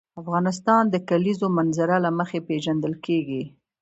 افغانستان د د کلیزو منظره له مخې پېژندل کېږي.